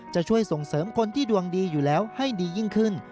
จะช่วยส่งเสริมคนที่ดวงดีอยู่แล้วให้ดียิ่งขึ้น